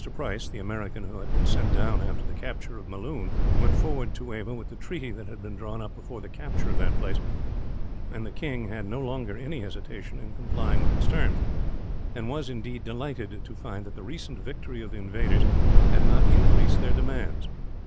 Price, the American who had been sent down after the capture of Melloon, went forward to Ava with the treaty that had been drawn up before the capture of that place; and the king had no longer any hesitation in complying with its terms and was, indeed, delighted to find that the recent victory of the invaders had not increased their demands.